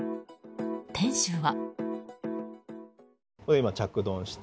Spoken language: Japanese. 店主は。